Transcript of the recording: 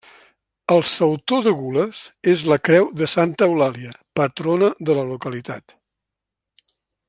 El sautor de gules és la creu de Santa Eulàlia, patrona de la localitat.